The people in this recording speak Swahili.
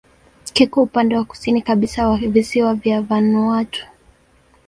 Kiko upande wa kusini kabisa wa visiwa vya Vanuatu.